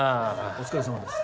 お疲れさまです。